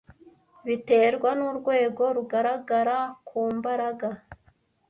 Biterwa nurwego rugaragara ku mbaraga